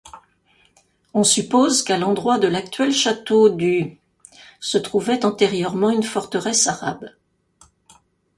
On suppose qu'à l'endroit de l'actuel château du se trouvait antérieurement une forteresse arabe.